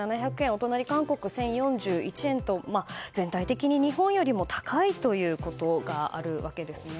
お隣の韓国、１０４１円と全体的に日本よりも高いということがあるわけですね。